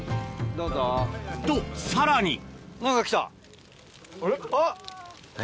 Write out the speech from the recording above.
どうぞ。とさらにあっ！